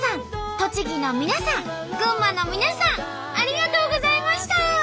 栃木の皆さん群馬の皆さんありがとうございました！